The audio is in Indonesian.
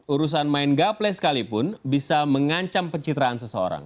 urusan main gaple sekalipun bisa mengancam pencitraan seseorang